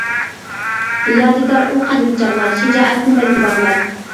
يادىكار ئۇ قەدىم چاغلار، شىجائەتنى بەلگە باغلار.